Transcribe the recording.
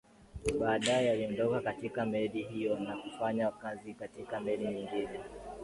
Badae aliondoka katika meli hiyo na kufanya kazi katika meli nyingine